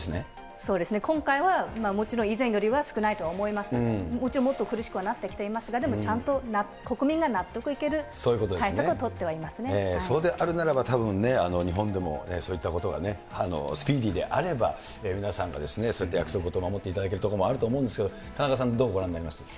そうですね、今回はもちろん以前よりは少ないと思いますが、もっと苦しくはなってきていますが、でもちゃんと国民が納得いけそうであるならば、たぶんね、日本でもそういったことがね、スピーディーであれば、皆さんがそうやって約束事を守っていただけることもあると思うんですけど、田中さん、どうご覧になりますか。